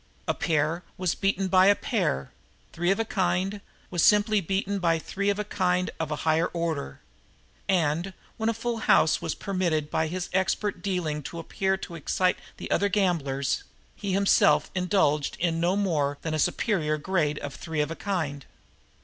A pair was beaten by a pair, three of a kind was simply beaten by three of a kind of a higher order; and, when a full house was permitted by his expert dealing to appear to excite the other gamblers, he himself indulged in no more than a superior grade of three of a kind.